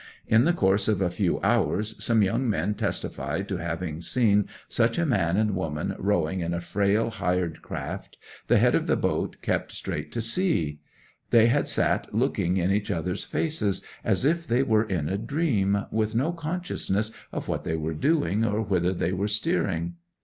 In the course of a few hours some young men testified to having seen such a man and woman rowing in a frail hired craft, the head of the boat kept straight to sea; they had sat looking in each other's faces as if they were in a dream, with no consciousness of what they were doing, or whither they were steering.